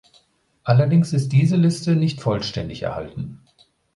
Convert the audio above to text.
Allerdings ist diese Liste nicht vollständig erhalten.